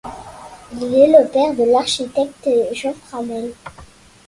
Il est père de l’architecte Jean Franel.